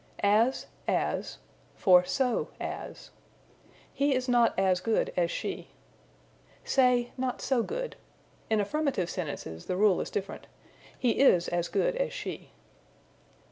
As as for So as. "He is not as good as she." Say, not so good. In affirmative sentences the rule is different: He is as good as she.